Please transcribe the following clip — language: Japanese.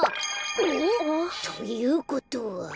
お？ということは。